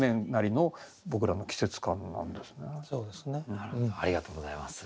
なるほどありがとうございます。